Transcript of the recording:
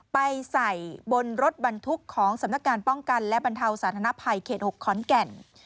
ไปใส่บนรถบรรทุกของสำนักการป้องกันและบรรเทาสาธนภัยเขต๖ขอนแก่น